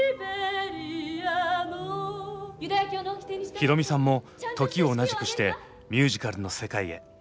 宏美さんも時を同じくしてミュージカルの世界へ。